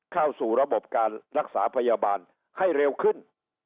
เข้าสู่ระบบการรักษาพยาบาลให้เร็วขึ้น